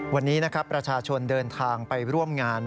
วันนี้นะครับประชาชนเดินทางไปร่วมงาน